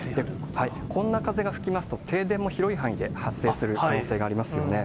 こんな風が吹きますと、停電も広い範囲で発生する可能性がありますよね。